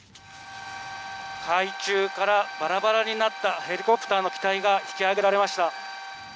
「海中から、バラバラになったヘリコプターの機体が引き揚げられました」